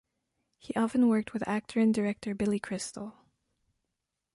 He often worked with actor and director Billy Crystal.